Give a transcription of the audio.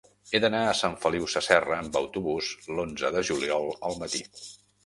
He d'anar a Sant Feliu Sasserra amb autobús l'onze de juliol al matí.